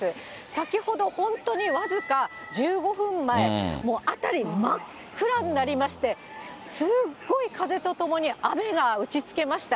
先ほど本当に僅か１５分前、もう辺り真っ暗になりまして、すっごい風とともに雨が打ちつけました。